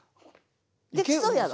できそうやろ？